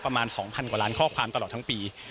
ประมาณ๒๐๐กว่าล้านข้อความตลอดทั้งปี